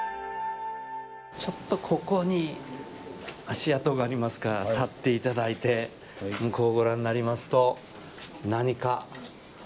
ちょっとここに足跡がありますから立って頂いて向こうをご覧になりますと何か。